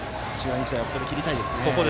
日大はここで切りたいですね。